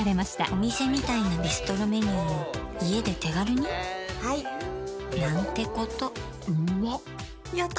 お店みたいなビストロメニューを家で手軽になんてこと。